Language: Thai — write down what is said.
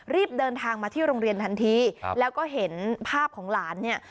รีบเดินทางมาที่โรงเรียนทันทีแล้วก็เห็นภาพของหลานเนี่ย